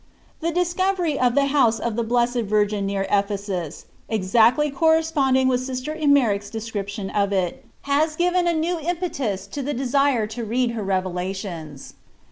The discovery of the House of the Blessed Virgin near Ephesus, exactly corresponding with Sister Emmerich s description of it, has given a new impetus to the desire IPretace. to read her revelations.